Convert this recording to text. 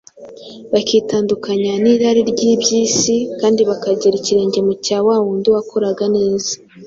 bakitandukanya n’irari ry’iby’isi kandi bakagera ikirenge mu cya wa wundi wakoraga neza.